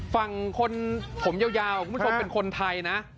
ฝั่งคนผมยาวคุณผู้ชมเป็นคนไทยนะ